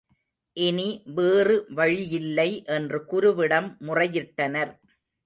இனி வேறு வழியில்லை என்று குருவிடம் முறையிட்டனர்.